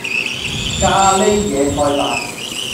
咖喱野菜飯